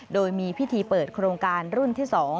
โดยมีพิธีเปิดโครงการรุ่นที่๒